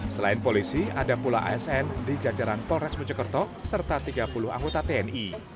selain polisi ada pula asn di jajaran polres mojokerto serta tiga puluh anggota tni